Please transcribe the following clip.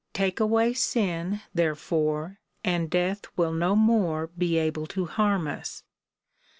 Take away sin, therefore, and death will no more be able to harm us.''